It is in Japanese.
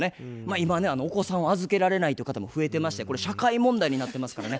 今ねお子さんを預けられないという方も増えてましてこれ社会問題になってますからね。